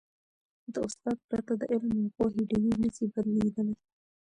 د استاد پرته، د علم او پوهې ډېوي نه سي بلېدلی.